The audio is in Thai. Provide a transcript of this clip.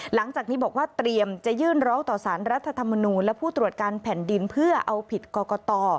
หลังจากนี้บอกว่าเตรียมจะยื่นร้องต่อสารรัฐธรรมนูลและผู้ตรวจการแผ่นดินเพื่อเอาผิดกรกต